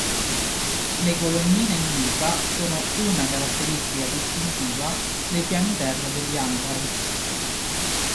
Le colonnine in ghisa sono una caratteristica distintiva dei piani terra degli hangar.